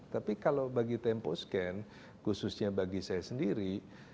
tapi kalau bagi temposcan khususnya bagi saya sendiri